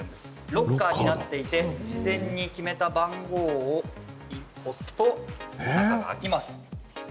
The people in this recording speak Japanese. ロッカーになっていて事前に決めた番号を押すと中が開きます。